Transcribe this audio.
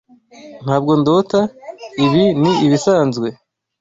Ntabwo ndota. Ibi ni ibisanzwe?